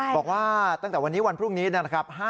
บอกว่าตั้งแต่วันนี้วันพรุ่งนี้นะครับ